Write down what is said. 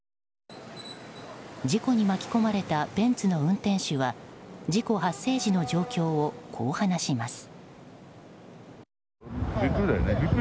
事故に巻き込まれたベンツの運転手は事故発生時の状況をこう話します。